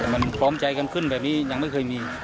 มันพร้อมใจกันขึ้นแบบนี้ยังไม่เคยมี